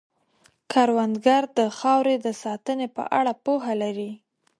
کروندګر د خاورې د ساتنې په اړه پوهه لري